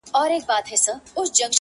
لا د مرګ په خوب ویده دی!٫